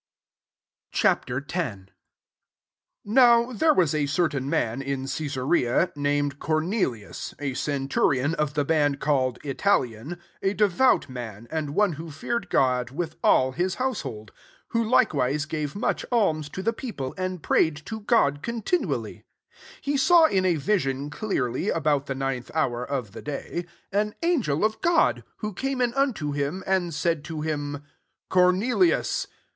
Ch. X. 1 NOW there wa* a certain man in Cesarea, named Cornelius, a, centurion of the band called Italian ;£ a devout man^ and one who feared God with all his household ; who likewise gave much alms to the people, and prayed to God con tinually : 3 he saw in a vision clearly, jibout the ninth hour of the day, an angel of God, who came in unto him, and said to him, " Cornelius.''